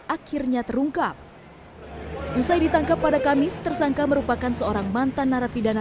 akhirnya terungkap usai ditangkap pada kamis tersangka merupakan seorang mantan narapidana